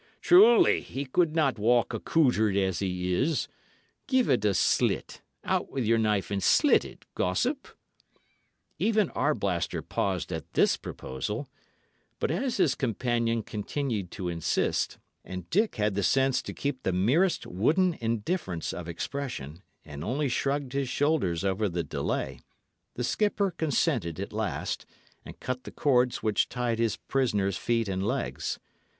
"Truly, he could not walk accoutred as he is. Give it a slit out with your knife and slit it, gossip." Even Arblaster paused at this proposal; but as his companion continued to insist, and Dick had the sense to keep the merest wooden indifference of expression, and only shrugged his shoulders over the delay, the skipper consented at last, and cut the cords which tied his prisoner's feet and legs.